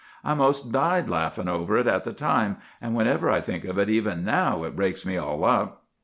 I 'most died laughing over it at the time, and whenever I think of it even now it breaks me all up.